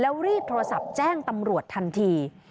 แล้วรีบโทรศัพท์แจ้งตำรวจทันที